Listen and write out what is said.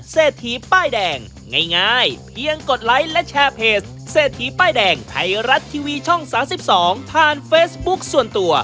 ใส่และแชร์เพจเซธีป้ายแดงไทยรัฐทีวีช่อง๓๒ผ่านเฟสบุ๊คส่วนตัว